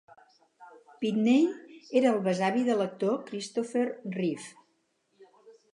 Pitney era el besavi de l'actor Christopher Reeve.